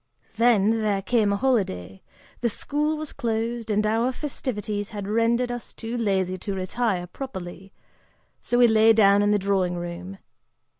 Then there came a holiday, the school was closed, and our festivities had rendered us too lazy to retire properly, so we lay down in the dining room.